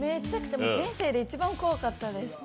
人生で一番怖かったです。